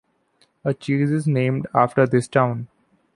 A cheese is named after this town.